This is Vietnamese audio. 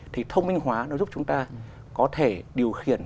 thì thông minh hóa nó giúp chúng ta có thể điều khiển